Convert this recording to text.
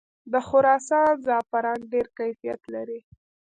د خراسان زعفران ډیر کیفیت لري.